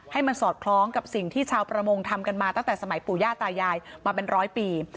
ให้มันสอดคล้องกับสิ่งที่ชาวประมงทำกันมาตั้งแต่สมัยปู่ย่าตายายมาเป็นร้อยปี